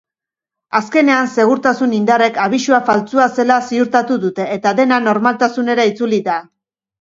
Azkenean, segurtasun-indarrek abisua faltsua zela ziurtatu dute eta dena normaltasunera itzuli da.